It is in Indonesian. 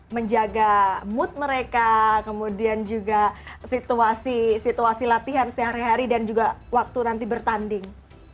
menjaga mood mereka kemudian juga situasi latihan sehari hari dan juga waktu nanti bertanding